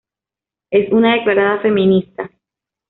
Es una declarada feminista.